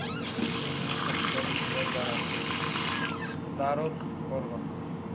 Tiene como capital la ciudad de Daroot-Korgon.